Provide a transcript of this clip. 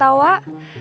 a'ah menyedponi nih